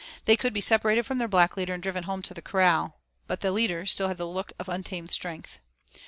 They could be separated from their black leader and driven home to the corral. But that leader still had the look of untamed strength.